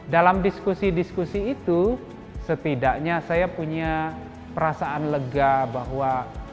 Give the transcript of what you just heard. dalam diskusi diskusi itu setidaknya saya punya perasaan lega bahwa